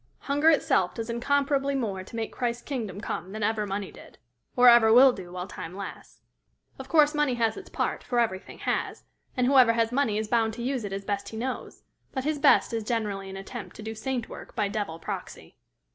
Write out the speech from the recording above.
Hunger itself does incomparably more to make Christ's kingdom come than ever money did, or ever will do while time lasts. Of course money has its part, for everything has; and whoever has money is bound to use it as best he knows; but his best is generally an attempt to do saint work by devil proxy.